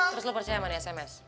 terus lo percaya sama di sms